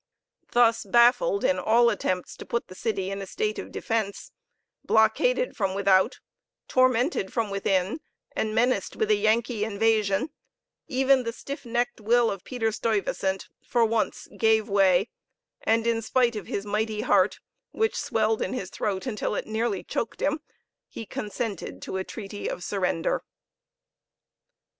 Thus baffled in all attempts to put the city in a state of defence, blockaded from without, tormented from within, and menaced with a Yankee invasion, even the stiff necked will of Peter Stuyvesant for once gave way, and in spite of his mighty heart, which swelled in his throat until it nearly choked him, he consented to a treaty of surrender.